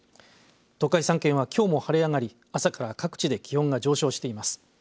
東海３県はきょうも晴れ上がり朝から各地で気温が上昇しています。